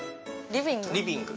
リビング？